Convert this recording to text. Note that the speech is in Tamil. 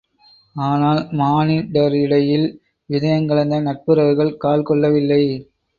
ஆனால் மானிடரிடையில் இதயங்கலந்த நட்புறவுகள் கால்கொள்ளவில்லை.